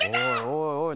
おいおい